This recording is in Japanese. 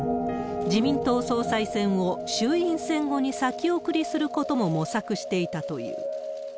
自民党総裁選を衆院選後に先送りすることも模索していたという。